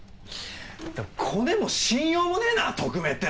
コネも信用もねえな特命ってのは！